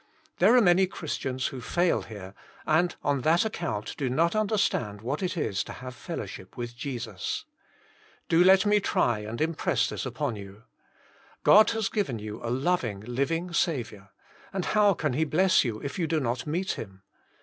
There are many Christians who fail here, and on that account do not understand what it is to have fellowship with Jesus. Do let me try and impress this upon you: God has given you a loving, living Saviour, and how can He bless if you do not meet Him